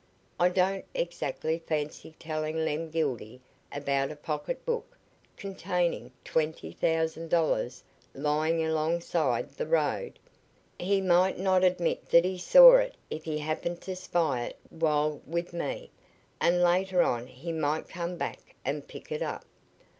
"I don't exactly fancy telling Lem Gildy about a pocketbook containing twenty thousand dollars lying alongside the road. He might not admit that he saw it if he happened to spy it while with me, and later on he might come back and pick it up."